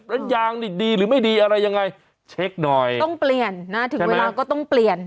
แล้วยางนี่ดีหรือไม่ดีอะไรยังไงเช็คหน่อยต้องเปลี่ยนนะถึงเวลาก็ต้องเปลี่ยน